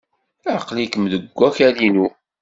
Aql-ikem deg wakal-inu.